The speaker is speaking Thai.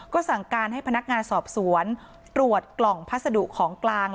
ก็สั่งการให้พนักงานสอบสวนตรวจกล่องพัสดุของกลาง